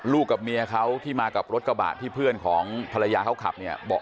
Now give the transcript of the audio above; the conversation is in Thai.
กับเมียเขาที่มากับรถกระบะที่เพื่อนของภรรยาเขาขับเนี่ยบอก